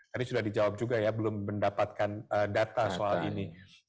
tadi sudah dijawab juga ya belum mendapatkan data soal ini